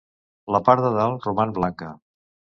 La part de dalt roman blanca.